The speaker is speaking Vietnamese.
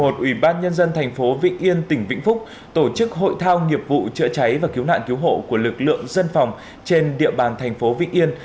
thành phố vĩnh yên tỉnh vĩnh phúc tổ chức hội thao nghiệp vụ chữa cháy và cứu nạn cứu hộ của lực lượng dân phòng trên địa bàn thành phố vĩnh yên